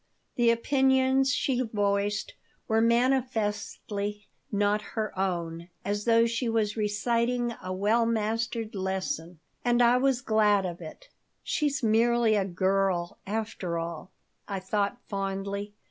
The opinions she voiced were manifestly not her own, as though she was reciting a well mastered lesson. And I was glad of it. "She's merely a girl, after all," I thought, fondly.